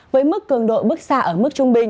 với mức cường độ bức xa ở mức trung bình